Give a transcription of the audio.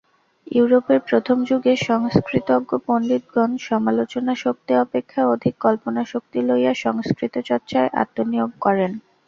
ইউরোপের প্রথম যুগের সংস্কৃতজ্ঞ পণ্ডিতগণ সমালোচনাশক্তি অপেক্ষা অধিক কল্পনাশক্তি লইয়া সংস্কৃত-চর্চায় আত্মনিয়োগ করেন।